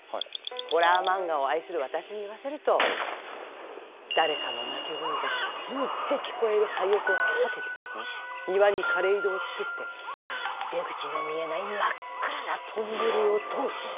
ホラー漫画を愛する私に言わせると誰かの泣き声がずっと聞こえる廃屋を建てて庭にかれ井戸を作って出口の見えない真っ暗なトンネルを通せば。